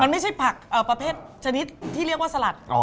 มันไม่ใช่ผักประเภทชนิดที่เรียกว่าสลัด